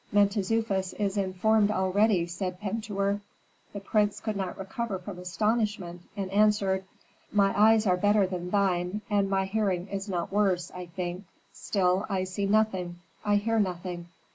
"Mentezufis is informed already," said Pentuer. The prince could not recover from astonishment and answered, "My eyes are better than thine, and my hearing is not worse, I think; still I see nothing, I hear nothing.